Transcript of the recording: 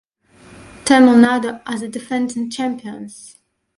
Tamil Nadu are the defending champions.